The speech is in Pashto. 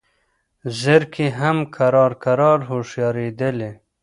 زرکي هم کرار کرار هوښیارېدلې